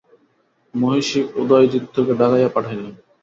মহিষী উদয়াদিত্যকে ডাকাইয়া পাঠাইলেন।